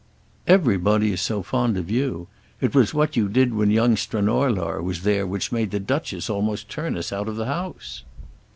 "Everybody is so fond of you! It was what you did when young Stranorlar was there which made the Duchess almost turn us out of the house."